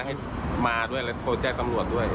ให้มาด้วยเลยโทรแจ้งตำรวจด้วย